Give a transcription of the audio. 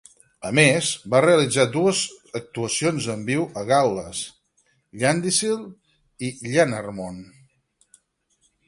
A més, va realitzar dues actuacions en viu a Gal·les, Llandyssil i Llanarmon.